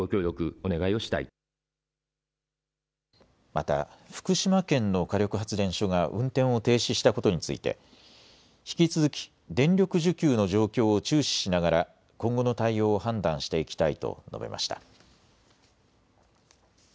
また福島県の火力発電所が運転を停止したことについて引き続き電力需給の状況を注視しながら今後の対応を判断していきたいと述べました。